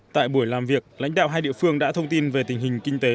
tại buổi làm việc lãnh đạo hai địa phương đã thông tin về tình hình kinh tế